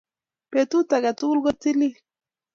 Betut aketukul kotililil